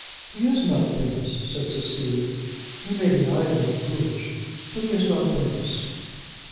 "He is not base," said Cecilia. "He may be idle and foolish, but he is not base."